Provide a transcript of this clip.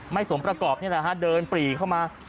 สมประกอบนี่แหละฮะเดินปรีเข้ามา